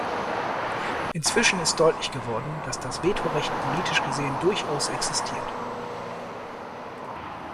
Inzwischen ist deutlich geworden, dass das Vetorecht politisch gesehen durchaus existiert.